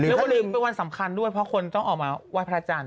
แล้วก็ลืมเป็นวันสำคัญด้วยเพราะคนต้องออกมาไหว้พระจันทร์